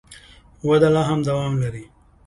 وده لا هم دوام لري.